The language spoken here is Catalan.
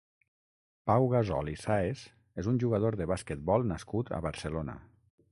Pau Gasol i Sáez és un jugador de basquetbol nascut a Barcelona.